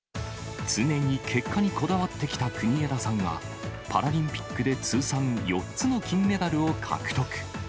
常に結果にこだわってきた国枝さんが、パラリンピックで通算４つの金メダルを獲得。